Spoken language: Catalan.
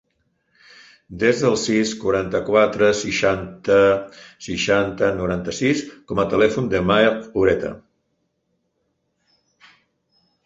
Desa el sis, quaranta-quatre, seixanta, seixanta, noranta-sis com a telèfon del Maher Ureta.